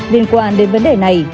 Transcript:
liên quan đến vấn đề này